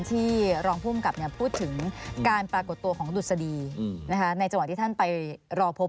รองภูมิกับพูดถึงการปรากฏตัวของดุษฎีในจังหวะที่ท่านไปรอพบ